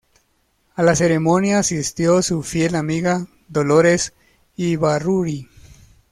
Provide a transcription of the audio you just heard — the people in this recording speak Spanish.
A la ceremonia asistió su fiel amiga, Dolores Ibárruri.